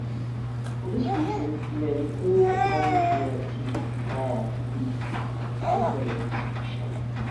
For this reason, nearly all modern gear teeth bear the involute shape.